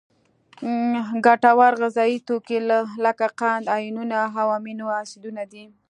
ګټور غذایي توکي لکه قند، آیونونه او امینو اسیدونه دي.